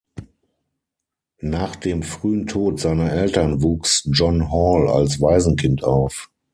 Nach dem frühen Tod seiner Eltern wuchs John Hall als Waisenkind auf.